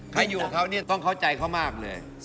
ถ้าอยู่กับเขาเนี่ยต้องเข้าใจเขามากเลย